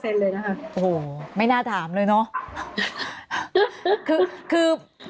โอ้โหไม่น่าถามเลยเนอะ